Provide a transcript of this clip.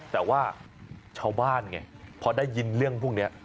แต่ว่าชาวบ้านไงพอได้ยินเรื่องพวกนี้